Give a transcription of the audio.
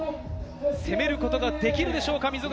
攻めることができるでしょうか。